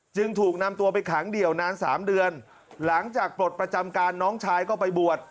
จึงถูกนำตัวไปขังเดี่ยวนานสามเดือนหลังจากปลดประจำการน้องชายก็ไปบวช